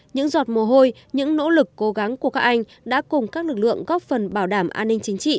những giọt mồ hôi những nỗ lực cố gắng của các anh đã cùng các lực lượng góp phần bảo đảm an ninh chính trị